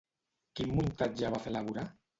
Quin muntatge va fer elaborar?